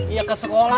iya ke sekolah